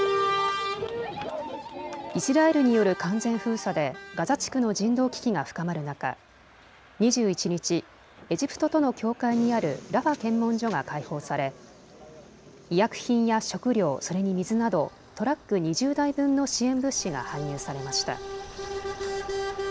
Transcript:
イスラエルによる完全封鎖でガザ地区の人道危機が深まる中、２１日、エジプトとの境界にあるラファ検問所が開放され医薬品や食料、それに水などトラック２０台分の支援物資が搬入されました。